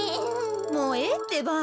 もうええってば。